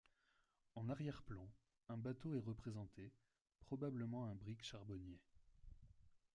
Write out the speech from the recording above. En arrière-plan, un bateau est représenté, probablement un brick charbonnier.